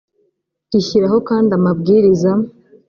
rishyiraho kandi amabwiriza